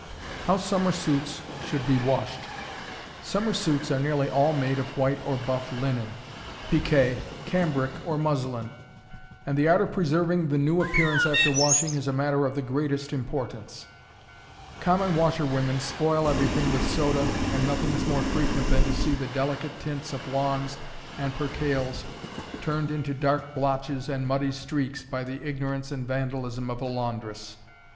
How Summer Suits should be Washed. Summer suits are nearly all made of white or buff linen, pique, cambric, or muslin, and the art of preserving the new appearance after washing is a matter of the greatest importance. Common washerwomen spoil everything with soda, and nothing is more frequent than to see the delicate tints of lawns and percales turned into dark blotches and muddy streaks by the ignorance and vandalism of a laundress.